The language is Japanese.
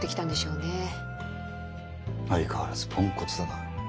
相変わらずポンコツだな。